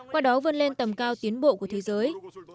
qua đó vươn lên tầm cao tiến bộ của thế giới